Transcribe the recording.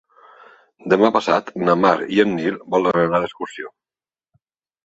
Demà passat na Mar i en Nil volen anar d'excursió.